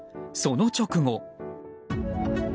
その直後。